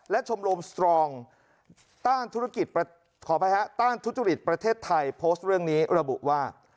และชมโรมสตรองต้านธุรกิจประเทศไทยโพสต์เรื่องนี้ระบุว่า